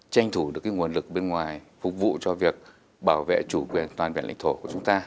tranh thủ được nguồn lực bên ngoài phục vụ cho việc bảo vệ chủ quyền toàn vẹn lãnh thổ của chúng ta